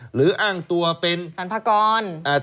หรืออ้างตัวเป็นสรรพากร